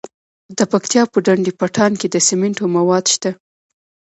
د پکتیا په ډنډ پټان کې د سمنټو مواد شته.